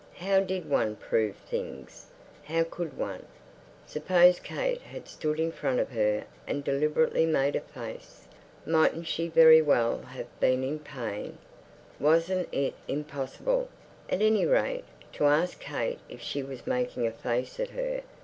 How did one prove things, how could one? Suppose Kate had stood in front of her and deliberately made a face. Mightn't she very well have been in pain? Wasn't it impossible, at any rate, to ask Kate if she was making a face at her?